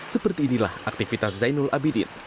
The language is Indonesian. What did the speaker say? seperti inilah aktivitas zainul abidin